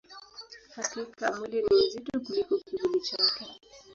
Hakika, mwili ni mzito kuliko kivuli chake.